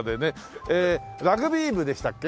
ラグビー部でしたっけ？